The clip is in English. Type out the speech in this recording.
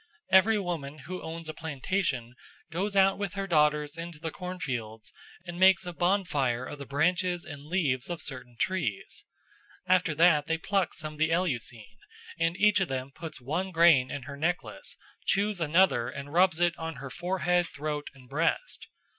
Every woman who owns a plantation goes out with her daughters into the cornfields and makes a bonfire of the branches and leaves of certain trees. After that they pluck some of the eleusine, and each of them puts one grain in her necklace, chews another and rubs it on her forehead, throat, and breast.